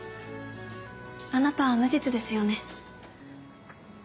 あなたは無実ですよね？